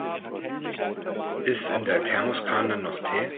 Ist in der Thermoskanne noch Tee?